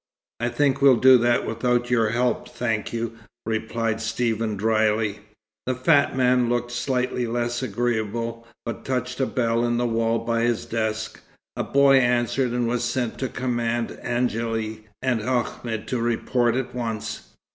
"I think we'll do that without your help, thank you," replied Stephen drily. The fat man looked slightly less agreeable, but touched a bell in the wall by his desk. A boy answered and was sent to command Angéle and Ahmed to report at once.